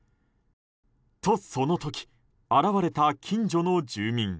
と、その時現れた近所の住民。